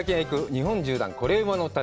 日本縦断コレうまの旅」。